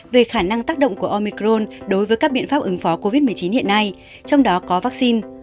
về khả năng tác động của omicron đối với các biện pháp ứng phó covid một mươi chín hiện nay trong đó có vaccine